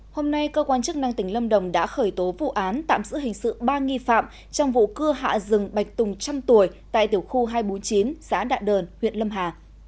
hôm nay cơ quan chức năng tỉnh lâm đồng đã khởi tố vụ án tạm giữ hình sự ba nghi phạm trong vụ cưa hạ rừng bạch tùng trăm tuổi tại tiểu khu hai trăm bốn mươi chín xã đạ đờn huyện lâm hà